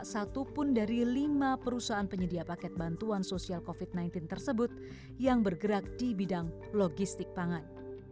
satu pun dari lima perusahaan penyedia paket bantuan sosial covid sembilan belas tersebut yang bergerak di bidang logistik pangan